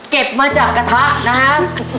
เก็บมาจากกระทะนะฮะ